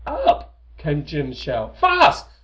"Up!" came Jim's shout. "Fast!